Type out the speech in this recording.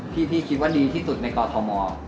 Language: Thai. ที่พี่คิดว่าดีที่สุดในคอทอมอล์